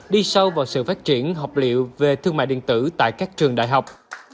đi sâu vào sự phát triển học liệu về thương mại điện tử tại các trường đại học